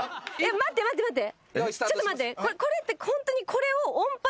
待って待って待って。